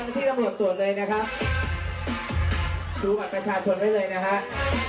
ที่ตำรวจตรวจเลยนะครับดูบัตรประชาชนไว้เลยนะครับ